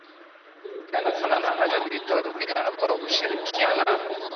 Hupendana sana na hata vita walipigana kwa kushirikiana